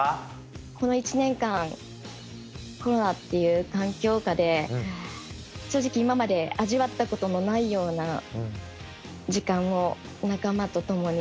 この１年間コロナっていう環境下で正直今まで味わったことのないような時間を仲間とともにしてきました。